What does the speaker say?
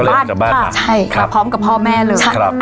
ก็เลยออกจากบ้านค่ะใช่ค่ะพร้อมกับพ่อแม่เลยใช่